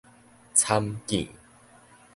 參見